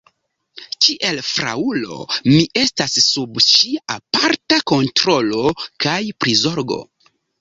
Kiel fraŭlo, mi estas sub ŝia aparta kontrolo kaj prizorgo.